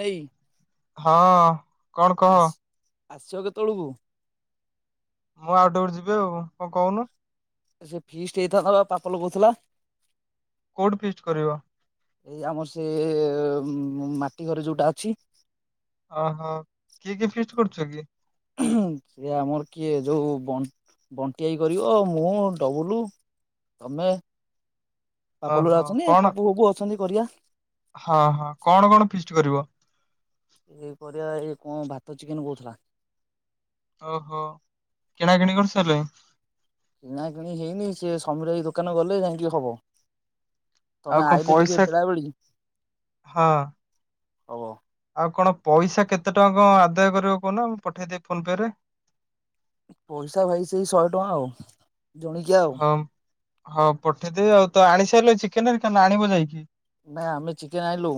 ନେଇ ହଁ କଣ୍ କହ? ଆସ ଆସିବ କେତେବେଳକୁ? ମୁଁ ଆଉ ଟିକେ ପରେ ଯିବି ଆଉ କଣ କହୁନୁ? ସେ ଫିଷ୍ଟ୍ ହେଇଥାନ୍ତା ବା ପାପୁଲୁ କହୁଥିଲା। କଉଠି ଫିଷ୍ଟ୍ କରିବ। ଏଇ ଆମର ସେ ମାଟି ଘରେ ଯଉଟା ଅଛି। ଓହୋ କିଏ କିଏ ଫିଷ୍ଟ୍ କରୁଚ କି? ସିଏ ଆମର କିଏ ଯଉ ବ- ବଣ୍ଟି ଭାଇ କରିବ ମୁଁ ଡବୁଲୁ ତମେ ପାପୁଲୁ ହେରା ଓହୋ ଅଛନ୍ତି କଣ ପପୁ ଫପୁ ଅଛନ୍ତି କରିବା। ହଁ -ହଁ କଣ କଣ ଫିଷ୍ଟ୍ କରିବ? ଏଇ କରିବା ଏଇ କଣ ଭାତ ଚିକେନ୍ କହୁଥିଲା। ଓହୋ କିଣାକିଣି କରିସାରିଲେଣି? ନାଇଁ କିଣା କିିଣି ହେଇନି ସେ ସମୀର ଭାଇ ଦୋକାନ ଗଲେ ଯାଇଁକି ହବ। ତମେ ଆଉ କଣ ଆଇଲେ ଟିକେ ପଇସା ବେଳାବେଳି ହଁ ହବ। ଆଉ କଣ ପଇସା କେତେ ଟଙ୍କା କଣ ଆଦାୟ କରିବ କହୁନ ମୁଁ ପଠେଇଦେବି ଫୋନ୍ ପେ ରେ। ପଇସା ଭାଇ ସେଇ ଶହେ ଟଙ୍କା ଆଉ ଜଣିକି ଆଉ। ହଁ ହଁ ପଠେଇଦେବି ଆଉ ତ ଆଣି ସାରିଲେ ଚିକେନ୍ ହେରିକା ନାଁ ଆଣିବ ଯାଇକି? ନାଇଁ ଆମେ ଚିକେନ୍ ଆଣିଲୁ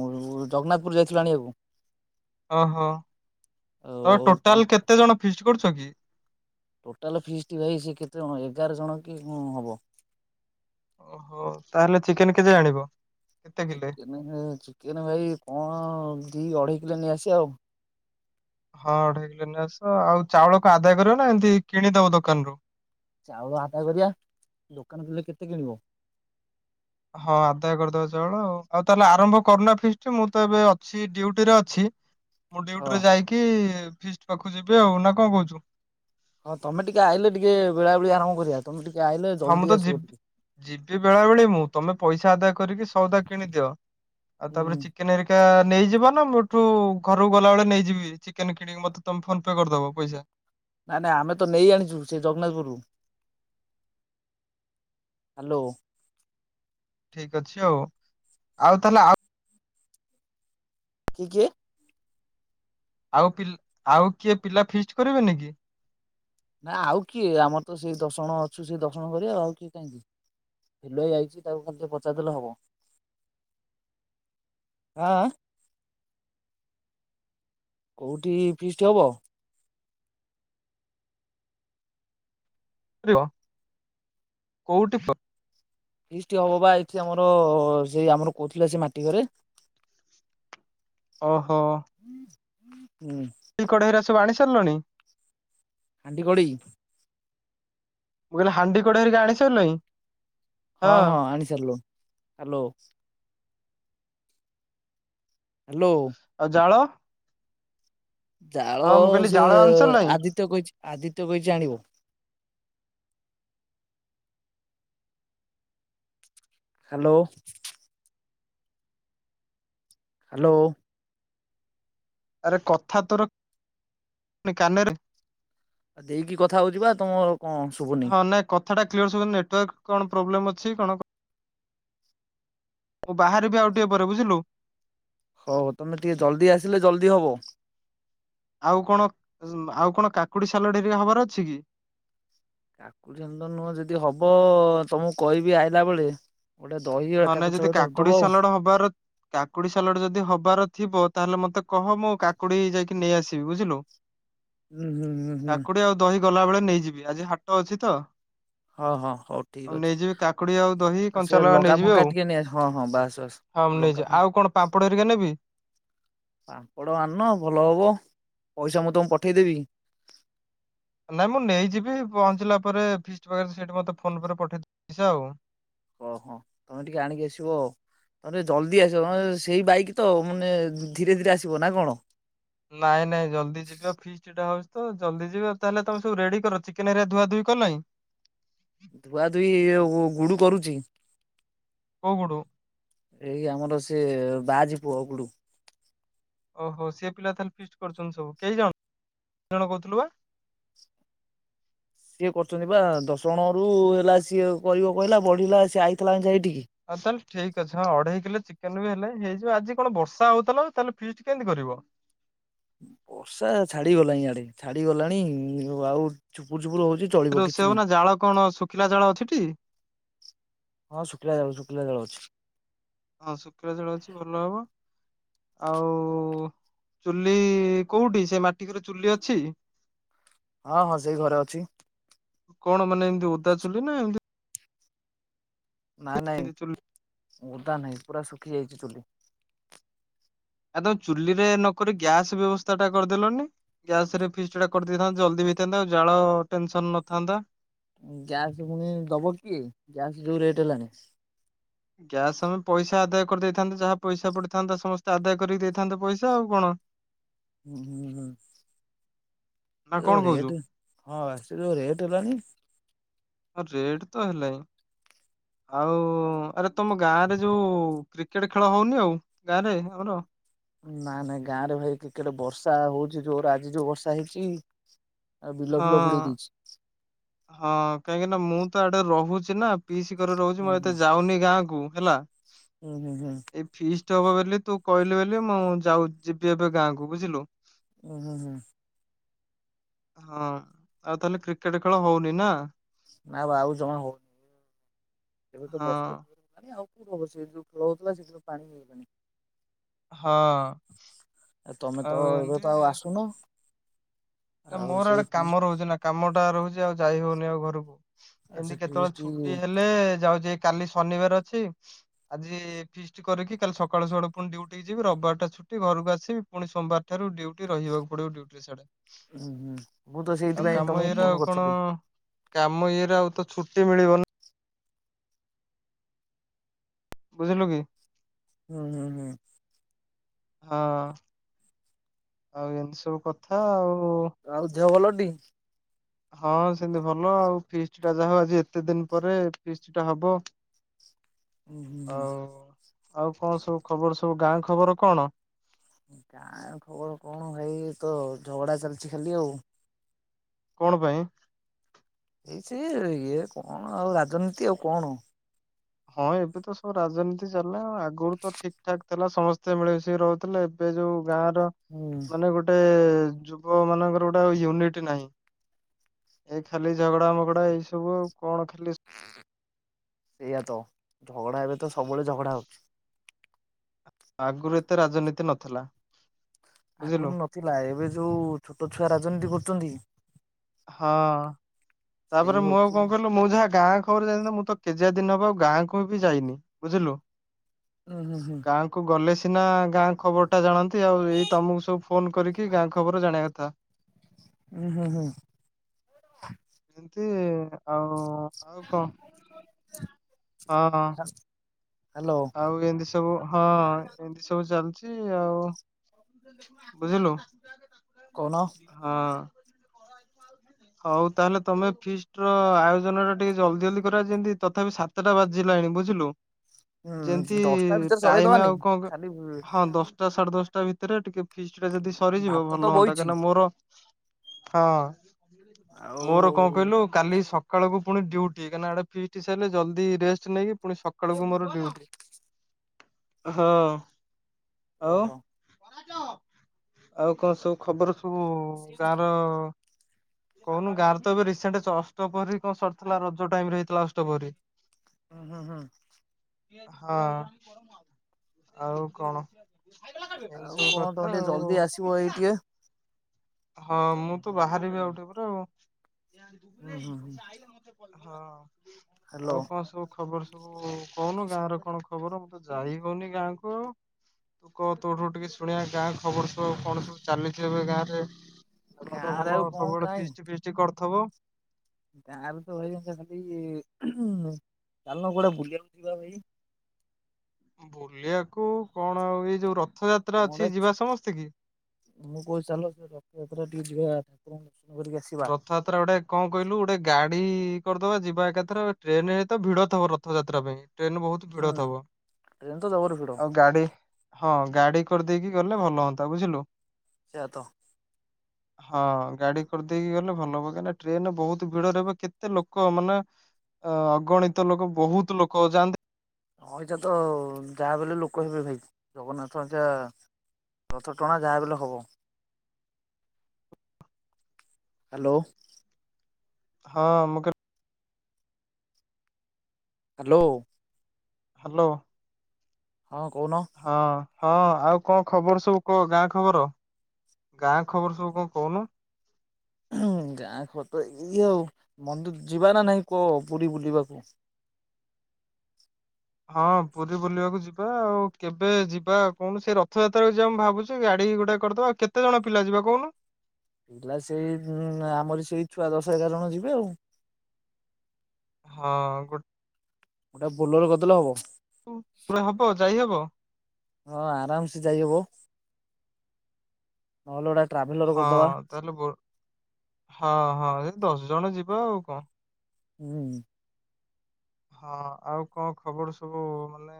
ଜଗନ୍ନାଥପୁର ଯାଇଥିଲୁ ଆଣିଆକୁ। ଓହୋ ତ ଆଉ ଟୋଟାଲ୍ କେତେ ଜଣ ଫିସ୍ କରୁଛ କି? ଟୋଟାଲ୍ ଫିସ୍ ଟି ଭାଇ ସିଏ କେତେ ଜଣ ଏଗାର ଜଣ କି ହବ? ଓହୋ ତାହେଲେ ଚିକେନ୍ କେତେ ଆଣିବ? କେତେ କିଲେ? ଚିକେନେ ଚିକେନ୍ ଭାଇ କଣ ଦି ଅଢ଼େଇ କିଲୋ ନେଇଆସିବ ଆଉ। ହଁ ଅଢେ଼ଇ କିଲ ନେଇ ଆସ ଆଉ ଚାଉଳ କଣ ଆଦାୟ କରିବ ନା ଏମିତି କିଣିଦବ ଦୋକାନ ରୁ? ଚାଉଳ ଆଦାୟ କରିବା ଦୋକାନ [unintelligible] କେତେ କିଣିବ? ହଁ ଆଦାୟ କରିଦବା ଚାଉଳ ଆଉ ଆଉ ତାହେଲେ ଆରମ୍ଭ କରୁନା ଫିଷ୍ଟ୍ ମୁଁ ତ ଏବେ ଅଛି ଡିଉଟିରେ ଅଛି ମୁଁ ହଁ। ଡିଉଟିରୁ ଯାଇକି ଫିଷ୍ଟ ପାଖକୁ ଯିବି ଆଉ ନା କଣ କହୁଛୁ? ହଁ ତମେ ଟିକେ ଆଇଲେ ଟିକେ ବେଳାବେେଳି ଆରମ୍ କରିବା ତମେ ଟିକେ ଆଇଲେ ହଁ ମୁଁ ତ ଜଲଦି ଆସିବ ଯିବି ଟିକେ। ଯିବି ବେଳା ବେଳେ ମୁଁ ତମେ ପଇସା ଆଦାୟ କରିକି ସଉଦା କିଣିଦିଅ ଆଉ ହୁଁ ତାପରେ ଚିକେନ୍ ହେରୀ ଟା ନେଇଯିବ ନା ମୁ ଠୁ ଘରକୁ ଗଲାବେେଳେ ନେଇଯିବି? ଚିକେନ୍ କିଣିକି ମତେ ତମେ ଫୋନ୍ ପେ କରିଦବ ପଇସା। ନାଇଁ ନାଇଁ ଆମେ ତ ନେଇ ଆଣିଛୁ ସେ ଜଗନ୍ନାଥପୁରରୁ ହ୍ୟାଲୋ। ଠିକ୍ ଅଛି ଆଉ ଆଉ ତାହେଲେ ଆ କି କିଏ? ଆଉ ପିଲ ଆଉ କିଏ ପିଲା ଫିଷ୍ଟ କରିବେନି କି? ନା ଆଉ କିଏ ଆମର ତ ସେଇ ଦଶଜଣ ଅଛୁ ସେଇ ଦଶଜଣ କରିବା ଆଉ କିଏ କାହିଁକି? ଫିଲୁ ଭାଇ ଆଇଛି ତାକୁ ଖାଲି ଟିକେ ପଚାରିଦେଲେ ହବ। ଆଁ ଆଁ? କୋଉଠି ଫିଷ୍ଟ୍ ହବ? କୋଉଟି? ଫିଷ୍ଟ୍ ହବ ବା ଏଠି ଆମର ସେ ଆମର କହୁଥିଲା ସେ ମାଟି ଘରେ ଓହୋ। ହୁଁ। କଢ଼େଇରା ସବୁ ଆଣି ସାରିଲଣି? ହାଣ୍ଡି କଡ଼େଇ? ମୁଁ କହିଲି ହାଣ୍ଡି କଡ଼େଇ ହେରିକା ଆଣିସାରିଲଣି? ହଁ ହଁ ଆଣି ସାରିଲୁଣି ହାଲୋ। ହାଲୋ। ଆଉ ଜାଳ? ଜାଳ ହଁ ମୁଁ କହିଲି ସେ ଜାଳ ଆଣି ସାରିଲଣି? ଆଦିତ୍ୟ କହିଚି ଆଦିତ୍ୟ କହିଚି ଆଣିବ। ହାଲୋ। ହାଲୋ। ଆରେ କଥା ତୋର ପୁଣି କାନରେ ଦେଇକି କଥା ହଉଚି ବା ତମର କଣ ଶୁଭୁନି? ହଁ ନାଇଁ କଥାଟା କ୍ଲିୟର୍ ଶୁବୁନି ନେଟୱାର୍କ କଣ ପ୍ରୋବ୍ଲେମ୍ ଅଛି କଣ? ମୁଁ ବାହାରିବି ଆଉ ଟିକେ ପରେ ବୁଝିଲୁ? ହଉ ତମେ ଟିକେ ଜଲ୍ଦି ଆସିଲେ ଜଲଦି ହବ। ଆଉ କଣ ଆଉ କଣ କାକୁଡ଼ି ସାଲଟ୍ ହେରିକା ହବାର ଅଛି କି? କାକୁଡ଼ି [unintelligible] ନୁହଁ ଯଦି ହବ ତମକୁ କହିବି ଆଇଲା ବେଳେ ଗୋଟେ ଦହି ଆଉ ହଁ ନାଇଁ କାକୁଡି ଯଦି ସାଲଟ କରିଦବ ଆଉ। ସାଲଡ ହବାର କାକୁଡି ସାଲଡ ଯଦି ହବାର ଥିବ ତାହେଲେ ମତେ କହ ମୁଁ କାକୁଡି ଯାଇକି ନେଇଆସିବି ବୁଝିଲୁ। ହୁଁ ହୁଁ ହୁଁ ହୁଁ କାକୁଡି ଆଉ ଦହି ଗଲା ବେଳେ ନେଇଯିବି ଆଜି ହାଟ ଅଛି ତ। ହଁ ହଁ ହଉ ଠିକ୍ ଓ ଅଛି। ନେଇଯିବି କାକୁଡି ଆଉ ଦହି ସେ କଞ୍ଚା ଲଗା ନେଇ ଲଙ୍କା ଟିକେ ନେଇଆସ ହଁ ହଁ ବାସ୍ ବାସ୍ ଲଙ୍କା ଫ ପାମ୍ପଡ ହେରିକା ନେବି? ପାମ୍ପଡ଼ ଆଣୁନ ଭଲ ହବ ପଇସା ମୁଁ ତମକୁ ପଠେଇଦେବି। ନାଇଁ ମୁଁ ନେଇଯିବି ପହଞ୍ଚିଲା ପରେ ଫିଷ୍ଟି ପାଖରେ ସେଇଠି ମତେ ଫୋନ ପରେ ପଠେଇଦବୁ ସିଧା ଆଉ। ଓହୋ ତମେ ଟିକେ ଆଣିକି ଆସିବ ଆଉ। ନହେଲେ ଜଲଦି ଆସିବ ନହେଲେ ସେଇ ବାଇକ ତ ମାନେ ଧୀରେ ଧୀରେ ଆସିବ ନା କଣ? ନାଇଁ ନାଇଁ ଜଲଦି ଯିବା ଫି କିଛିଟା ହଉଛି ତ ଜଲଦ ଯିବା ତାହେଲେ ତମେ ସବୁ ରେଡି କର ଚିକେନ ହେରା ଧୁଆ ଧୁଇ କଲଇଁ? ଧୁଆ ଧୁଇ ଉ ଗୁଡୁ କରୁଚି। କୋଉ ଗୁଡ଼ୁ? ଏଇ ଆମର ସେ ବାଆଜି ପୁଅ ଗୁଡୁ। ଓହୋ ସେ ପିଲା ତାହେଲେ ଫିଷ୍ଟି କରୁଛନ୍ତି ସବୁ କେଇ ଜଣ ଜଣ କହୁଥିଲୁ ବା। ସିଏ କରୁଛନ୍ତି ବା ଦଶ ଜଣ ରୁ ହେଲା ସିଏ କରିବ କହିଲା ବଢିଲା ସିଏ ଆଇଥିଲା ଏଯାଏ ଏଇଠିକି। ଆଉ ତାହେଲେ ଠିକ୍ ଅଛି ହଁ ଅଢେଇ କିଲୋ ଚିକେନ ବି ହେଲେ ହେଇଯିବ ଆଜି କଣ ବର୍ଷା ହଉଥିଲା ତାହେଲେ ଫିଷ୍ଟି କେମିତି କରିବ? ବର୍ଷା ଏ ଛାଡିଗଲାଣି ଇଆଡେ ଛାଡିଗଲାଣି ଆଉ ଛୁପୁରୁ ଛୁପୁରୁ ହଉଚି। ରୋଷେଇ ହବ ନା ଜାଳ କଣ ଶୁଖିଲା ଜାଳ ଅଛି ଟି? ହଁ ଶୁଖିଲା ଜାଳ ଶୁଖିଲା ଜାଳ ଅଛି। ହଁ ଶୁଖିଲା ଜାଳ ଅଛି ଭଲ ହବ ଆଉ - ଚୁଲି କୋଉଠି ସେ ମାଟିିଘରେ ଚୁଲି ଅଛି? ହଁ ହଁ ସେଇ ଘରେ ଅଛି। କଣ ମାନେ ଏମତି ଓଦା ଚୁଲି ନା ଏମତି ନାଇଁ ନାଇଁ ଚୁଲି ଓଦା ନାହିଁ ପୁରା ଶୁଖି ଯାଇଚି ଚୁଲି। ଆ ତମେ ଚୁଲିରେ ନକରି ଗ୍ୟାସ ବ୍ୟବସ୍ଥା ଟା କରିଦେଲଣିି। ଗ୍ୟାସ ରେ ଫିଷ୍ଟୀଟା କରିଦେଇଥାନ୍ତ ଜଲଦି ହେଇଥାନ୍ତା ଆଉ ଜାଳ ଟେନସନ ନଥାନ୍ତା। ଗ୍ୟାସ୍ ପୁଣି ଦବ କିଏ ଗ୍ୟାସ ଯଉ ରେଟ୍ ହେଲାଣି। ଗ୍ୟାସ୍ ଆମେ ପଇସା ଆଦାୟ କରିଦେଇଥାନ୍ତୁ ଯାହା ପଇସା ପଡିଥାନ୍ତା ସମସ୍ତେ ଆଦାୟ କରିକି ଦେଇଥାନ୍ତୁ ପଇସା ଆଉ କଣ? ହୁଁ ନା ଯଉ କଣ କହୁଛୁ ରେଟ ହଁ ବା ସେ ଯଉ ରେଟ [unintelligible] ହଁ ରେଟ ତ ହେଲାଣି ଆଉ ଆରେ ତମ ଗାଁରେ ଯଉ କ୍ରିକେଟ ଖେଳ ହଉନି ଆଉ? ଗାଁରେ ଆମର? ନାଇଁ ନାଇଁ ଗାଁ ରେ ଭାଇ କ୍ରିକେଟ୍ ବର୍ଷା ହଉଚି ଯୋର ଆଜି ଯଉ ବର୍ଷା ହେଇଚି ହଁ ହଁ କାହିଁକି ନା ମୁଁ ତ ଆଡେ ରହୁଛି ନା ପିସି କରି ରହୁଛି ହୁଁ ମୁଁ ହୁଁ ଏତେ ଯାଉନି ଗାଁ କୁ, ହେଲା ହୁଁ, ହୁଁ, ହୁଁ ଏଇ ଫିଷ୍ଟ ହବ ବୋଲି ତୁ କହିଲି ବୋଲି ମୁଁ ଯାଉ ଯିବି ଏବେ ଗାଁ କୁ ବୁଝିଲୁ? ଓଁ ହୁ ହୁଁ ହଁ ଆଉ ତାହେଲେ କ୍ରିକେଟ ଖେଳ ହଉନି ନା? ନା ବା ଆଉ ଜମା ହଉନି ଏବେ ତ ହଁ ବର୍ଷା ମାନ ଆଉ କୋଉ ରହ ସେ ଯୋଉ ଖେଳ ହଉଥିଲା ସେଥିରୁ ପାଣି ନେଇଗଲାଣି ହଁ ଏ ତମେ ତ ଆଉ ଏବେ ଏମିତି ତ ଆଉ ଆସୁନ। ନା ଆଉ ମୋର ଆଡେ ସେଇ କାମ ରହୁଛି ନା କାମ ଟା ରହୁଛି ଆଉ ଯାଇ ହଉନି ଆଉ ଘରକୁ। ଆଉ ସେ ଏମିତି ଫିଷ୍ଟ କେତେବେଳେ ହୁଁ ଛୁଟି ହେଲେ ଯାଉଛି କାଲି ଶନିବାର। ଅଛି ଆଜି ଷ୍ଟି କରିକି କାଲି ସକାଳୁ ସକାଳୁ ପୁଣି ଡ୍ୟୁଟିି ଯିବି ରବିବାରଟାଛୁଟି ଘକୁ ଆସିବିୁ ସୋମବାର ଠାରୁ ଡ୍ୟୁଟି ରହିବାକୁ ପଡିବ ଡିଉଟି। ସିଏଡ଼େ। ହୁଁ ହୁଁ ମୁଁ ତ ସେଇଥିପାଇଁ ତମକୁ ଇଏରେ ଆଉ ଫୋନ କଣ କରିଥିଲି। କାମ ଇଏରେ ଆଉ ତ ଛୁଟି ମିଳିବନି। ବୁଝିଲୁ କି? ହୁଁ ହୁଁ ହୁଁ। ହଁ। ଆଉ ଏମିତି ସବୁ କଥା ଆଉ। ଆଉ ଦେହ ଭଲ ଟି? ହଁ ସେମିତି ଭଲ ଆଉ ଫିଷ୍ଟ ଟା ଯାହା ଆଜି ଏତେ ଦିନ ପରେ ଫିଷ୍ଟ ଟା ହବ। ହୁଁ ହୁଁ ହୁଁ ଆଉ, ଆଉ କଣ ସବୁ ଖବର ସବୁ ଗାଁ ଖବର କଣ? ଗାଁ ଖବର କଣ ଭାଇ ତ ଝଗଡା ଚାଲିଛି ଖାଲି ଆଉ। କଣ ପାଇଁ ଏଇ ସେ ଇଏ କଣ ଆଉ ରାଜନୀତି ଆଉ କଣ। ହଁ ଏବେ ତ ସବୁ ରାଜନୀତି ଚାଲିଲା ଆଗରୁ ତ ଠିକ୍ ଠାକ୍ ଥିଲା ସମସ୍ତେ ମିଳିିିକି ରହୁଥିଲେ। ଏବେ ଯୋଉ ଗାଁ ର ହୁଁ ମାନେ ଗୋଟେ ଯୁବ ମାନଙ୍କର ଗୋଟେ ଆଉ ୟୁନିଟି ନାହିଁ। ଏଇ ଖାଲି ଝଗଡା ମଗଡା ଏଇ ସବୁ ଆଉ କଣ ଖାଲି ସେୟା ତ ଝଗଡା ଏବେ ତ ସବୁବେଳେ ଝଗଡା ହଉଛି। ଆଗରୁ ଏତେ ରାଜନୀତି ନଥିଲା। ବୁଝିଲୁ ଆଗରୁ ନଥିଲା ଏବେ ଯୋଉ ଛୋଟ ଛୁଆ ରାଜନୀତି କରୁଛନ୍ତି। ହଁ ସେଇ ତାପରେ ମୁଁ ଆଉ ହଉଛି କଣ କହିଲୁ ମୁଁ ଯାହା ଗାଁ ଖ ଘରରୁ ଯାଇ ମୁଁ ତ କେଜିଆ ଦିନ ହବ ଆଉ ଗାଁକୁ ବି ଯାଇନି ବୁଝିଲୁ। ଉଁ ହୁଁ ହୁଁ ଗାଁ। ତା ଗଲେ ସିନା ଗାଁ ଖବର ଟା ଜାଣନ୍ତି ଆଉ ଏଇ ତମକୁ ସବୁ ଫୋନ କରିକି ଗାଁ ଖବର ଜାଣିବା କଥା। ହୁଁ ହୁଁ ହୁଁ। ଏମିତି ଆଉ ଆଉ କଣ ହଁ ହ୍ୟାଲୋ। ଆଉ ଏମିତି ସବୁ ହଁ ଏମିତି ସବୁ ଚାଲିଛି ଆଉ। ବୁଝିଲୁ? କଣ? ହଁ। ହୋଉ ତାହେଲେ ତମେ ଫିଷ୍ଟ ର ଆୟୋଜନ ଟା ଟିକେ ଜଲ୍ଦି ଜଲ୍ଦି କରିବା ଯେମିତି ତଥାପି ସା ସାତଟା ବାଜିଲାଣି ବୁଝିଲୁ? ଯେମିତି ହୁଁ ଦଶଟା ଭିତରେ ଟାଇମ୍ ସରେଇଦବାନି ଆଉ କଣ କ ଖାଲି ହଁ ଦଶଟା ସାଢେ ଦଶଟା ଭିତ ସେରେ ଟିକେ ଫିସ୍ ଟା ଯଦି ସରିଯିବ ଭାତ ତ ଭଲହୁଅନ୍ତା ବଇଛି କାହିଁକନା ମୋର ହଁ ଆଉ ମୋର କଣ? କହିଲୁ କାଲି ସକାଳକୁ ପୁଣି ଡିଉଟି କାହିଁକିନା ଇଆଡ଼େ ଫିଷ୍ଟି ସରଲେ ଜଲଦି ରେଷ୍ଟ ନେଇକି ପୁଣି ସକାଳକୁ ମର ଡ୍ୟୁଟି। ହଁ। ଆଉ ଓହୋ ଆଉ କଣ ସବୁ ଖବର ସବୁ ଗାଁ ର କହୁନୁ ଗାଁରେ ତ ଏବେ ରିସେଣ୍ଟ ଅଷ୍ଟପୋରୀ କଣ ସରିଥିଲା ରଜ ଟାଇମ୍ ରେ ହେଇଥିଲା ଅଷ୍ଟପହରୀ। ହୁଁ ହୁଁ ହୁଁ। ହଁ ଆଉ କଣ? ଏମିତି ଆଉ ସବୁ କଣ ତମେ କଥା ଟିକେ ଆଉ। ଜଲ୍ଦି ଆସିବ ଏଇ ଟିକେ ହଁ ମୁଁତ ବାହାରିବି ଆଉ ଟିକେପରେ ଆଉ। ହୁଁ ହୁଁ ହୁଁ ହଁ ହ୍ୟାଲୋ ଆଉ କଣ ସବୁ ଖବର ସବୁ କହୁନୁ ଗାଁର କଣ ଖବର ମୁଁତ ଯାଇହିଁ ପାରୁନି ଗାଁକୁ ଆଉ। କଁ ତୋଠୁ ଟିକେ ଶୁଣିବା ଗାଁ ଖବର ସବୁ ଆଉକଣ ସବୁ ଚାଲିଚି ଏବେ ଗାଁରେ? ସବୁତ ଗାଁରେ ଭଲ ଆଉ କଣ ସବୁବେଳେ ଫିଷ୍ଟି ଫିଷ୍ଟି କରୁଥିବ? ଗାଁରେତ ଭାଇ ଖାଲି ଚାଲୁନ କୁଆଡ଼େ ବୁଲିବାକୁ ଯିବା ଭାଇ? ବୁଲିବାକୁ କଣ ଆଉ ଏଇ ଯୋଉ ର କଣ ଛେ ମୁଁ କଉଚି ଚାଲୁନ ରଥଯାତ୍ରା ଟିକେ ଯିବା ଠାକୁରଙ୍କ ଦର୍ଶନ କରିକି ଆସିବା। ରଥଯାତ୍ରା ଗୋଟେ କଁ କହିଲୁ ଗୋଟେ ଗାଡ଼ି କରିଦବା ଯିବା ଏକାଥ୍ର ଟ୍ରେନରେତ ଭିଡ଼ ଥବ ରଥଯାତ୍ରା ପାଇଁ। ଟ୍ରେନ୍ ବହୁତ୍ ଭିଡ଼ ହୁଁ ଥବ ଟ୍ରେନ ତ ଜବର ଭିଡ ଆଉ ଗାଡ଼ି ହଁ ଗାଡ଼ି କରିଦେଇକି ଗଲେ ଭଲ ହୁଅନ୍ତା ବୁଝିଲୁ। ସେଆତ ହଁ ଗାଡ଼ି କରିଦେଇକି ଗଲେ ଭଲ ହୁଅନ୍ତା କାହିଁକିନା ଟ୍ରେନରେ ବହୁତ୍ ଭିଡ଼ ରହିବ କେତେ ଲୋକ ମାନେ ଅ ଅଗଣିତ ଲୋକ ବହୁତ୍ ଲୋକ ଯାଆନ୍ତି। ହଁ ଏଇଟାତ ଯାହାବି ହେଲେ ଲୋକ ହେବେ ଭାଇ ଜଗନ୍ନାଥ [unintelligible] ରଥ ଟଣା ଯାହାବି ହେଲେ ହବ। ହାଲୋ। ହଁ ମୁଁ ହାଲୋ। ହାଲୋ। ହଁ କହୁନ? ହଁ ହଁ ଆଉ କଣ ଖବର ସବୁ କହ ଗାଁ ଖବର? ଗାଁ ଖବର ସବୁ କଣ କହୁନୁ? ଁ ଗାଁ ଖବରତ ଇଏ ଆଉ ମନ୍ଦିର ଯିବାନା ନାହିଁ କଁ ପୁରୀ ବୁଲିବାକୁ? ହଁ ପୁରୀ ବୁଲିବାକୁ ଯିବା ଆଉ କେବେ ଯିବା କଣ ସେ ରଥଯାତ୍ରାକୁ ଯିବା ମୁଁ ଭାବୁଚି। ସେ ଗାଡ଼ି ଗୁଟା କରିଦବା ଆଉ କେତେ ଜଣ ପିଲା ଯିବା କହୁନୁ? ପିଲା ସେଇ ଆମର ସେଇ ଛୁଆ ଦଶ ଏଗାର ଜଣ ଯିବେ ଆଉ। ହଁ ଗୋ ଗୋଟେ ବୋଲେର କରିଦେଲେ ହବ? ହଁ ପୁରା ହବ ଯାଇହବ? ହଁ ଆରାମସେ ଯାଇହବ ନହେଲେ ଗୋଟେ ଟ୍ରାଭେଲର ହଁ କରିଦବା। ତାହେଲେ ବୋ ହଁ ହଁ ଏଦଶ ଜଣ ଯିବା ଆଉ କଁ। ହୁଁ। ହଁ ଆଉ କଣ ଖବର ସବୁ ମାନେ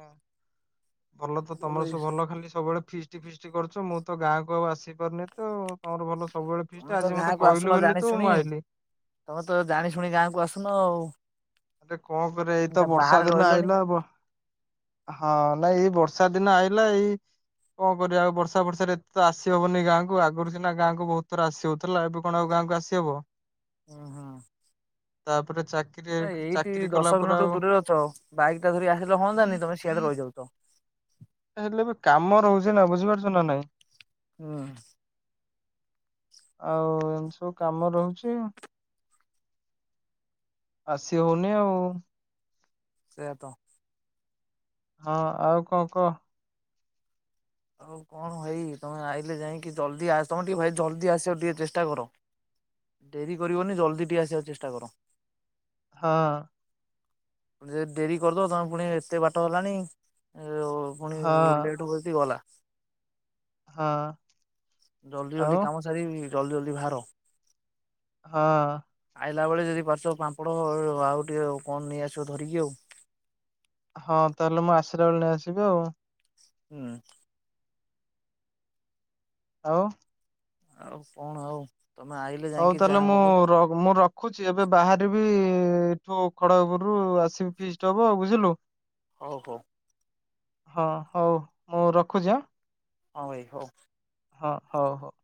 ଭଲତ ତମର ସବୁ ଭଲ ଖାଲି ସବୁବେଳେ ଫିସ୍ଟି ଫିସ୍ଟି କରୁଚ ମୁଁତ ଗାଁକୁ ଆଉ ଆସି ପାରୁନିତ ଆଉ। ତମର ଭଲ ସବୁବେଳେ ତମେ ଫିଷ୍ଟି ତ ଆଜି ମତେ କହିଲୁ ବୋଲିତୁ ମୁଁ ଆଇଲି। ତମେତ ଜାଣି ଶୁଣି ଗାଁକୁ ଆସୁନ ଆଉ। ଆରେ କଁ କରିବା ଏଇତ ଏଟା ବର୍ଷା ବାହାରେ ଦିନ ରହିଲଣି ଆଇଲା ବ ହଁ ନାଇଁ ଏଇ ବର୍ଷା ଦିନ ଆଇିଲା ଏଇ କଁ କରିବା ବର୍ଷା ଫର୍ଷାରେ ଏତେତ ଆସି ହବନି ଗାଁକୁ ଆଗରୁ ସନା ଗାଁକୁ ବହୁତ୍ ଥର ଆସିହ ଥୁଲା ଏବେ କଣ ଆଉ ଗାଁକୁ ଆସିହବ। ହଁ ହଁ। ତାପରେ ଚାକ ଆ-ଆ ଏଇଠି ଦଶ କିଲୋମିଟର ଦୂରରେ ଅଛ ବାଇକ୍ ଟା ଧରିିକି ଆସିଲେ ହୁଅନ୍ତାନି ତମେ ସିଆଡେ ରହିଯାଉଚ। ଯା ହେଲେ ବି କାମ ରହୁଛି ନା ବୁଝିପାରୁଛ ନା ନାଇଁ। ହୁଁ। ଆଉ-ଉ-ଉ-ଉ ଏମିତି ସବୁ କାମ ରହୁଚି। ଆସିହଉନି ଆଉ। ସେୟା ତ। ହଁ ଆଉ କଣ କହ? ହଁ କଣ ଭାଇ ତମେ ଆଇଲେ ଯାଇଁକି ଜଲ୍ଦି ଆସ ତମେ ଟିକେ ଭାଇ ଜଲଦି ଆସିବାକୁ ଟିକେ ଚେଷ୍ଟା କର। ଡେରି କରିବନି ଜଲଦି ଟିକେ ଆସିବାକୁ ଚେଷ୍ଟା କର। ହଁ। ଯେ ଡେରି କରିଦବ ତମେ ପୁଣି ଏତେ ବାଟ ହେଲାଣି ଏଁ ଅ ହଁ। ପୁଣି-ଇ-ଇ-ଇ ଲେଟ୍ ହବ ଯଦି ଗଲା। ହଁ। ଜଲଦି ଜଲଦି ଆଉ କାମ ସାରିକି ଜଲଦି ଜଲଦି ବାହାର। ହଁ। ଆଇଲା ବେଳେ ଯଦି ପାରୁଛ ପାମ୍ପଡ଼-ଅ-ଅ-ଅ ଆଉ ଟିକେ କଣ ନେଇଆସିବ ଧରିକି ଆଉ। ହଁ ତାହେଲେ ମୁଁ ଆସିଲା ବେଳେ ନେଇଆସିବି ଆଉ। ହୁଁ। ଆଉ? ଆଉ କଣ ଆଉ? ତମେ ଆଇଲେ ହଉ ଯାଇକି ତାହେଲେ ଯାହା ମୁଁ ହବ ରକ ମୁଁ ର ରଖୁଛି ଏବେ ବାହାରିବି-ଇ-ଇ-ଇ ଏଠୁ ଖଡଗପୁରରୁ ଆସିବି ଫିଷ୍ଟ ହବ ବୁଝିଲୁ। ହଉ, ହଉ। ହଁ, ହଉ, ମୁଁ ରଖୁଛି ଆଁ। ହଁ ଭାଇ ହଉ। ହଁ, ହଉ ହଉ।